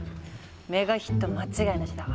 メガヒット間違いナシだわ。